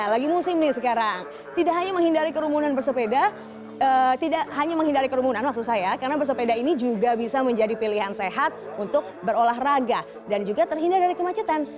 lagi musim nih sekarang tidak hanya menghindari kerumunan bersepeda tidak hanya menghindari kerumunan maksud saya karena bersepeda ini juga bisa menjadi pilihan sehat untuk berolahraga dan juga terhindar dari kemacetan